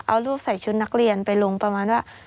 เอาลูกใส่ชุดนักเรียนไปลงประมาณว่า